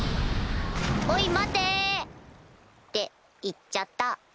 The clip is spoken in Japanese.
おい待て。って行っちゃった。